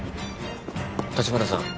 橘さん